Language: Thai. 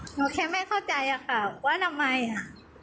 หนูแค่ไม่เข้าใจอะค่ะว่าทำไมอ่ะ